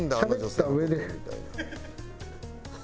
しゃべった上で。